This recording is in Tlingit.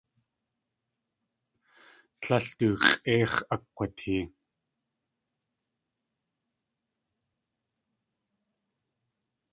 Tlél du x̲ʼéix̲ akg̲watee.